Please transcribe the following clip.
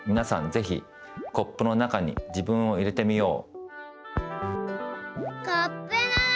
ぜひコップの中に自分を入れてみよう。